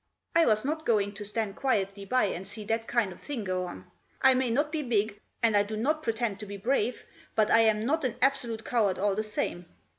I was not going to stand quietly by and see that kind of thing go on. I may not be big, and I do not pretend to be brave, but I am not an absolute coward all the same.